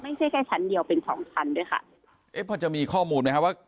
ไม่ใช่แค่ชั้นเดียวเป็นสองชั้นด้วยค่ะเอ๊ะพอจะมีข้อมูลไหมคะว่า